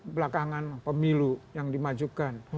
belakangan pemilu yang dimajukan